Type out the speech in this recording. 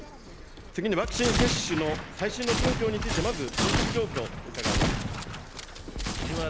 次にワクチン接種の最新の状況について、まず進捗状況伺います。